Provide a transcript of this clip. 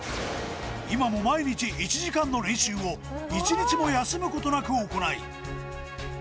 今も毎日１時間の練習を１日も休むことなく行い